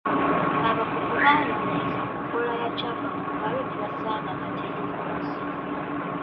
Abakugu baanoonyereza ku nkola ya Kyapa mu Ngalo ne basanga nga teriiko buzibu.